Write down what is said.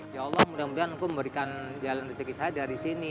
ya allah mudah mudahan aku memberikan jalan rezeki saya dari sini